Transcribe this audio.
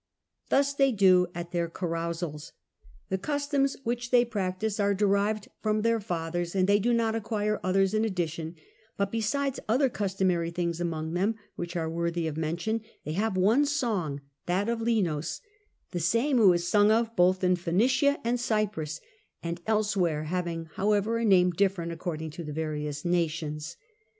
Thus they do at their carousals. The customs which they practise are derived from their fathers and they do not acquire others in addition; but besides other customary things among them which are worthy of mention, they have one song, that of Linos, the same who is sung of both in Phenicia and in Cyprus and elsewhere, having however a name different according to the various nations.